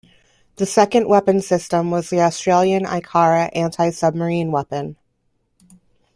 The second weapon system was the Australian Ikara anti-submarine weapon.